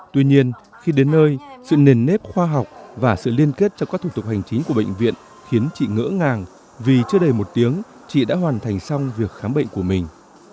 tuy nhiên khi đến nơi sự nền nếp khoa học và sự liên kết trong các thủ tục hành chính của bệnh viện khiến chị ngỡ ngàng vì chưa đầy một tiếng chị đã hoàn thành xong việc khám bệnh của mình